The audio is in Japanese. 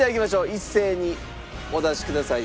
一斉にお出しください。